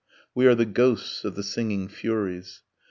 We are the ghosts of the singing furies